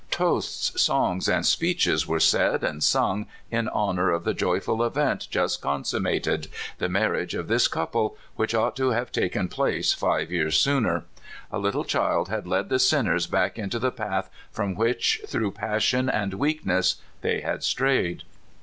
Toasts, songs, and speeches were said and sung in honor of the joyful event just con summated — the marriage of this couple which ought to have taken place five years sooner. A little child had led the sinners back into the path from which, through passion and weakness, they had strayed.